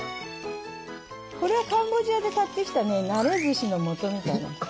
これはカンボジアで買ってきたねなれずしのもとみたいな。